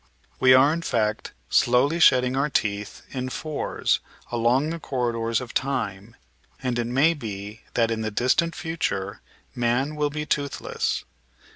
We are, in fact, slowly shedding our teeth, in fours, along the corridors of time, and it may be that in the distant future man will be toothless.